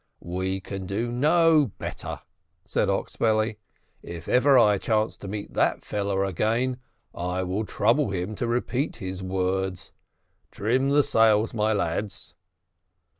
"We can do no better," said Oxbelly. "If ever I chance to meet that fellow again, I will trouble him to repeat his words. Trim the sails, my lads."